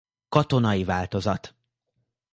Katonai változat.